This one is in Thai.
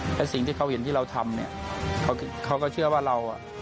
แต่สิ่งที่เขาเห็นที่เราทำเนี่ยเขาก็เชื่อว่าเราอ่ะ